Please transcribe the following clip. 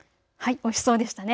おいしそうでしたね。